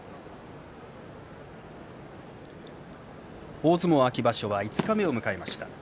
大相撲秋場所は五日目を迎えました。